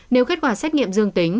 nếu kết quả xét nghiệm dương tính